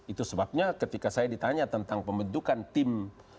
itu sebabnya ketika saya ditanya tentang pembentukan tim